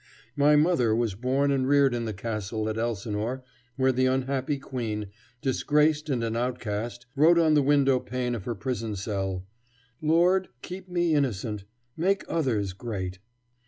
My mother was born and reared in the castle at Elsinore where the unhappy Queen, disgraced and an outcast, wrote on the window pane of her prison cell: "Lord, keep me innocent; make others great."